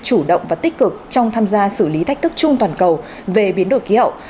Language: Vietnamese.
chủ động và tích cực trong tham gia xử lý thách thức chung toàn cầu về biến đổi khí hậu